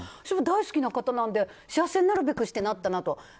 私も大好きな方なので幸せになるべくしてなったなと。